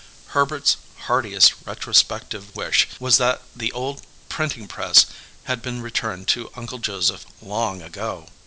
Herbert's heartiest retrospective wish was that the ole printing press had been returned to Uncle Joseph long ago.